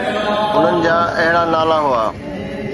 انهن جا اهڙا نالا هئا.